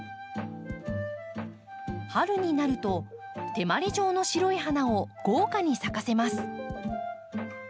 春になると手まり状の白い花を豪華に咲かせます。